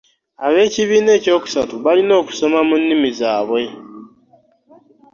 Ab'ekibiina ekyokusatu balina kusoma mu nnimi zaabwe.